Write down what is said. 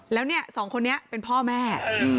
แล้วเนี่ยสองคนนี้เป็นพ่อแม่